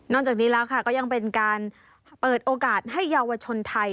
จากนี้แล้วค่ะก็ยังเป็นการเปิดโอกาสให้เยาวชนไทย